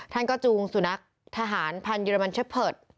ท่านก็จูงสุนัขทหารพันธ์เรมันเชฟเพิร์ต